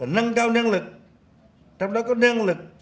nâng cao năng lực trong đó có năng lực phòng ngừa chống chịu trước thiên tai